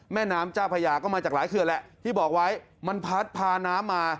แม่น้ำเจ้าพญาก็มาจากหลายเขื่อนแหละที่บอกไว้มันพัดพาน้ำมา